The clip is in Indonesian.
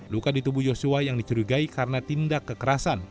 luka di tubuh yosua yang dicurigai karena tindak kekerasan